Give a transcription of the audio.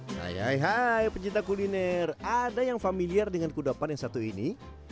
hai hai pencinta kuliner ada yang familiar dengan kudapan yang satu ini